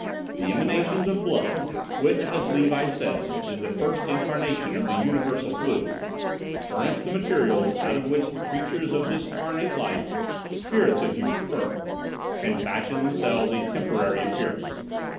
The emanations of blood—which, as Levi says, is the first incarnation of the universal fluid—furnish the materials out of which the creatures of discarnate life, spirits if you prefer, can fashion themselves a temporary appearance.